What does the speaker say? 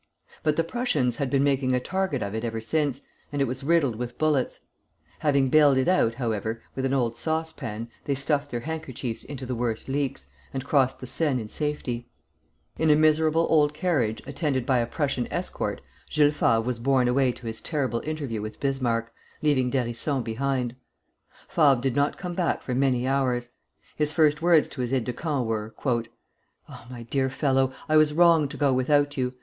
But the Prussians had been making a target of it ever since, and it was riddled with bullets. Having bailed it out, however, with an old saucepan, they stuffed their handkerchiefs into the worst leaks, and crossed the Seine in safety. In a miserable old carriage, attended by a Prussian escort, Jules Favre was borne away to his terrible interview with Bismarck, leaving d'Hérisson behind. Favre did not come back for many hours. His first words to his aide de camp were: "Oh, my dear fellow, I was wrong to go without you.